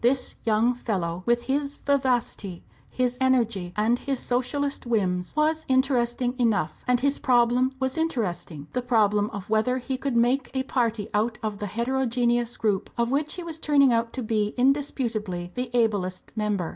This young fellow, with his vivacity, his energy, and his Socialist whims, was interesting enough; and his problem was interesting the problem of whether he could make a party out of the heterogeneous group of which he was turning out to be indisputably the ablest member.